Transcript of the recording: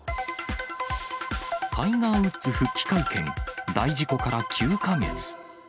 タイガー・ウッズ復帰会見、大事故から９か月。